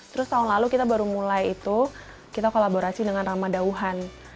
terus tahun lalu kita baru mulai itu kita kolaborasi dengan rama dauhan